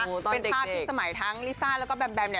เป็นภาพที่สมัยทั้งลิซ่าแล้วก็แบมแบมเนี่ย